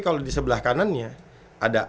kalau di sebelah kanannya ada